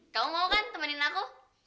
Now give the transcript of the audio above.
kamu mau kan temenin aku